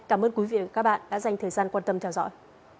cảm ơn quý vị và các bạn đã dành thời gian quan tâm theo dõi